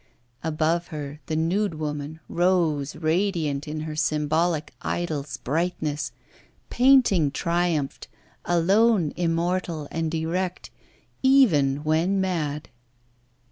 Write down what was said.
Above her the nude woman rose radiant in her symbolic idol's brightness; painting triumphed, alone immortal and erect, even when mad.